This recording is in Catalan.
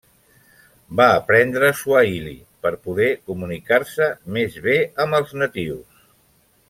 Va aprendre suahili per poder comunicar-se més bé amb els natius.